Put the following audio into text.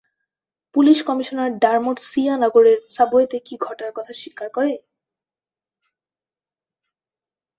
Police commissioner Dermot সিয়া নগরের সাবওয়েতে কি ঘটার কথা স্বীকার করে?